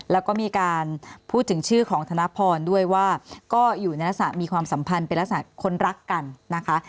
แล้วก็มีการพูดถึงชื่อของธนพรด้วยว่าก็อยู่ในลักษณะมีความสัมพันธ์เป็นลักษณะคนรักกันนะคะ